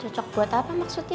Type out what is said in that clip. cocok buat apa maksudnya